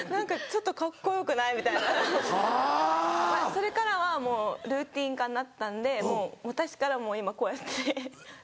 それからはもうルーティン化になったんでもう私からもう今こうやって。